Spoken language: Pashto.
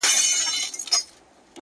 توره مي تر خپلو گوتو وزي خو،